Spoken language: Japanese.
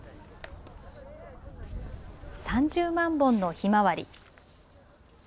３０万本のひまわり。